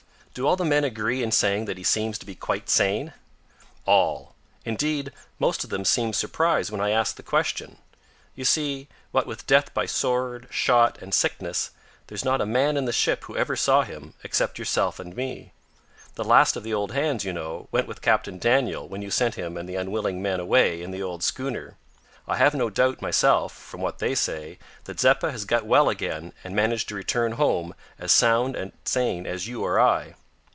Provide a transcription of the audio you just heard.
"Do all the men agree in saying that he seems to be quite sane." "All. Indeed most of them seemed surprised when I asked the question. You see, what with death by sword, shot, and sickness, there's not a man in the ship who ever saw him, except yourself and me. The last of the old hands, you know, went with Captain Daniel when you sent him and the unwilling men away in the old schooner. I have no doubt, myself, from what they say, that Zeppa has got well again, and managed to return home as sound and sane as you or I."